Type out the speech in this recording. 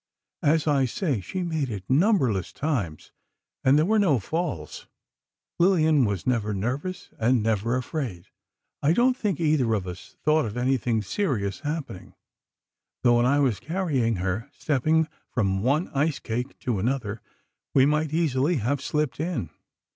As I say, she made it numberless times, and there were no falls. Lillian was never nervous, and never afraid. I don't think either of us thought of anything serious happening, though when I was carrying her, stepping from one ice cake to another, we might easily have slipped in.